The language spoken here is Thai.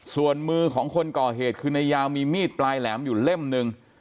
ส่วนมือของคนก่อเหตุคือนายยาวมีมีดปลายแหลมอยู่เล่มหนึ่ง